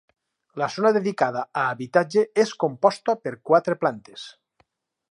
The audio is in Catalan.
La zona dedicada a habitatge és composta per quatre plantes.